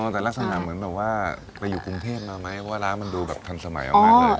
แต่ลักษณะเหมือนแบบว่าไปอยู่กรุงเทพมาไหมว่าร้านมันดูแบบทันสมัยมากเลย